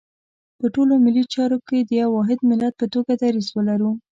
په ټولو ملي چارو کې د یو واحد ملت په توګه دریځ ولرو.